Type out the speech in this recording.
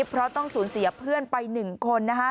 เพราะต้องสูญเสียเพื่อนไป๑คน